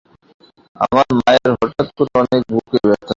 আমার মায়ের হঠাৎ করে অনেক বুকে ব্যথা হয়।